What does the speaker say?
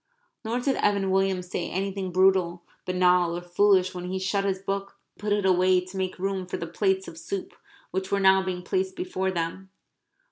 Nor did Evan Williams say anything brutal, banal, or foolish when he shut his book and put it away to make room for the plates of soup which were now being placed before them.